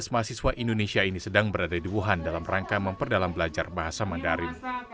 tujuh belas mahasiswa indonesia ini sedang berada di wuhan dalam rangka memperdalam belajar bahasa mandarin